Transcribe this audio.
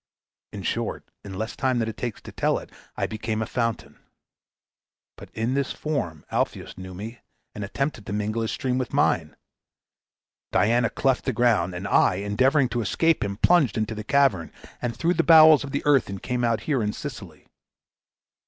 In short, in less time than it takes to tell it I became a fountain. But in this form Alpheus knew me and attempted to mingle his stream with mine. Diana cleft the ground, and I, endeavoring to escape him, plunged into the cavern, and through the bowels of the earth came out here in Sicily.